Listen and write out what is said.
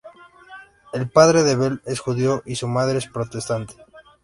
El padre de Bell es judío y su madre es protestante.